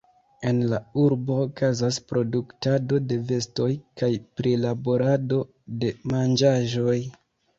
En la urbo okazas produktado de vestoj kaj prilaborado de manĝaĵoj.